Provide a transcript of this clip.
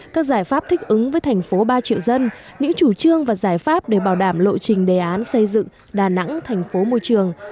các giải pháp thích ứng với thành phố ba triệu dân những chủ trương và giải pháp để bảo đảm lộ trình đề án xây dựng đà nẵng thành phố môi trường